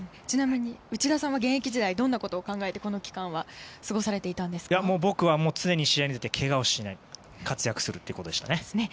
ちなみに内田さんは現役時代はどんなことを考えてこの期間僕は、常に試合に出てけがをしないで活躍するということでした。